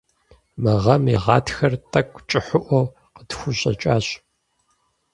Мы гъэм и гъатхэр тӀэкӀу кӀыхьыӀуэу къытхущӀэкӀащ.